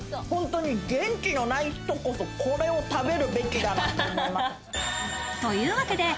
本当に元気のない人こそ、これを食べるべきだなって思います。